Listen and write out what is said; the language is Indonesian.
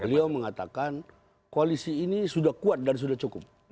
beliau mengatakan koalisi ini sudah kuat dan sudah cukup